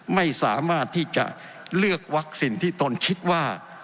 ไม่สามารถที่จะเลือกวัคซีนที่ตนคิดว่า